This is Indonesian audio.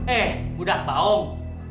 eh mudah baong